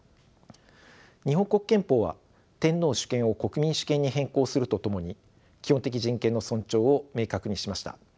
日本国憲法は天皇主権を国民主権に変更するとともに基本的人権の尊重を明確にしました。